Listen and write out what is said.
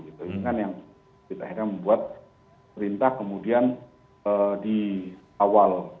ini kan yang kita akhirnya membuat perintah kemudian di awal